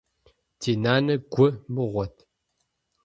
Ди нанэ гу мыгъуэт.